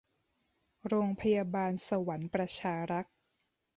โรงพยาบาลสวรรค์ประชารักษ์